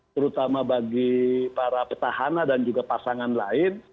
terutama bagi para petahana dan juga pasangan lain